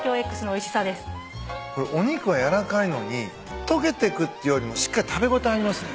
お肉は軟らかいのに溶けてくってよりもしっかり食べ応えありますね。